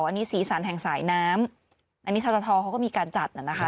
อันนี้ศรีสรรห์แห่งสายน้ำอันนี้และธรรมทธเขาก็มีการจัดนะคะ